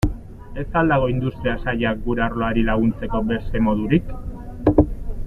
Ez al dago Industria Sailak gure arloari laguntzeko beste modurik?